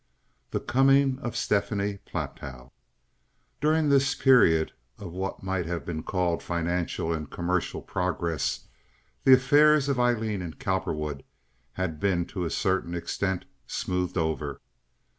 The Coming of Stephanie Platow During this period of what might have been called financial and commercial progress, the affairs of Aileen and Cowperwood had been to a certain extent smoothed over.